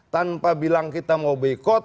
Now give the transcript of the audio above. tanpa bilang kita mau bekot